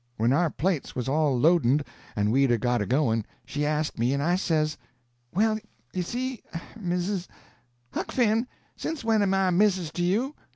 When our plates was all loadened and we'd got a going, she asked me, and I says: "Well, you see,—er—Mizzes—" "Huck Finn! Since when am I Mizzes to you?